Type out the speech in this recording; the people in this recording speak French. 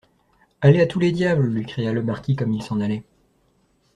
Allez à tous les diables, lui cria le marquis comme il s'en allait.